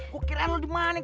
gue kirain lo di mana